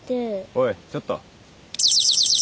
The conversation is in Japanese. おいちょっと。